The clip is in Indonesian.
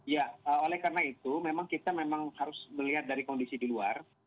ya oleh karena itu memang kita memang harus melihat dari kondisi di luar